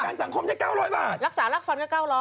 ประกันสังคมได้๙๐๐บาทรักษารักษ์ฟันก็๙๐๐